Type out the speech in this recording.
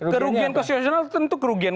kerugian koosisional tentu kerugian